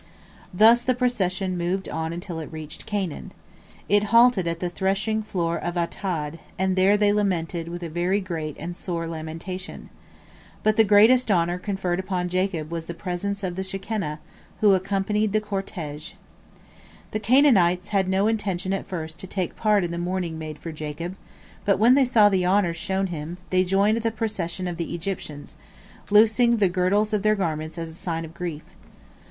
Thus the procession moved on until it reached Canaan. It halted at the threshing floor of Atad, and there they lamented with a very great and sore lamentation. But the greatest honor conferred upon Jacob was the presence of the Shekinah, who accompanied the cortege. The Canaanites had no intention at first to take part in the mourning made for Jacob, but when they saw the honors shown him, they joined the procession of the Egyptians, loosing the girdles of their garments as a sign of grief.